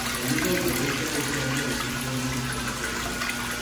La "Liga Indonesia" es la liga de fútbol más importante del país.